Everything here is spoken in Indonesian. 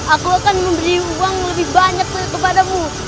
aku akan memberi uang lebih banyak kepadamu